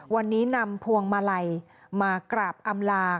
วันนี้นำพวงมาลัยมากราบอำลา